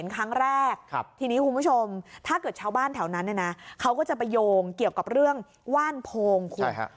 เค้าก็จะไปโยงเกี่ยวกับเรื่องว่านโพงคุณค่ะ